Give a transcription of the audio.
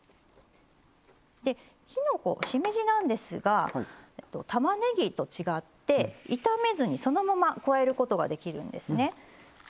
できのこしめじなんですがたまねぎと違って炒めずにそのまま加えることができるんですね。